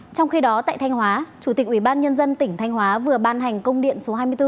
trong khi đó tại thanh hóa chủ tịch ubnd tỉnh thanh hóa vừa ban hành công điện số hai mươi bốn